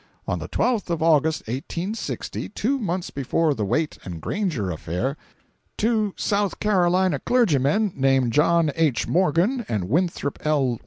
On the 12th of August, 1860, two months before the Waite and Granger affair, two South Carolina clergymen, named John H. Morgan and Winthrop L.